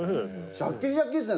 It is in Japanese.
シャキシャキですね